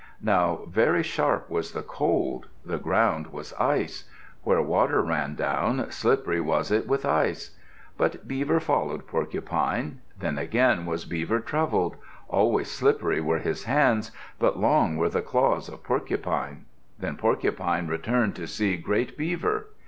Now very sharp was the cold. The ground was ice. Where water ran down, slippery was it with ice. But Beaver followed Porcupine. Then again was Beaver troubled. Always slippery were his hands, but long were the claws of Porcupine. Then Porcupine returned to see great Beaver.